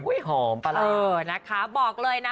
อุ๊ยหอมปลาร้านะคะบอกเลยนะ